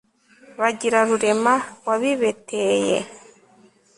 bagira rurema wabibeteye